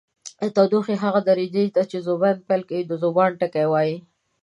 د تودوخې هغه درجې ته چې ذوبان پیل کوي د ذوبان ټکی وايي.